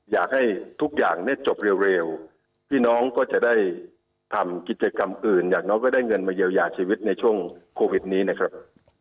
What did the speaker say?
อยากให้ทุกอย่างเนี่ยจบเร็วพี่น้องก็จะได้ทำกิจกรรมอื่นอย่างน้อยก็ได้เงินมาเยียวยาชีวิตในช่วงโควิดนี้นะครับ